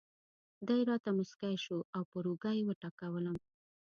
دی راته مسکی شو او پر اوږه یې وټکولم.